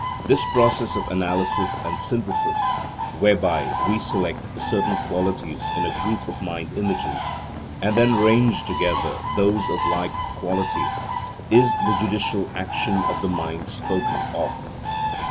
This process of analysis and synthesis, whereby we select certain qualities in a group of mind images, and then range together those of like quality, is the judicial action of the mind spoken of.